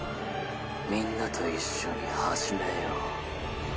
みんなと一緒に始めよう。